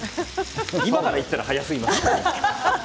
今から行ったら早すぎます。